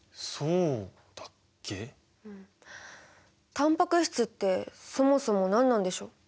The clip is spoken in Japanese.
タンパク質ってそもそも何なんでしょう？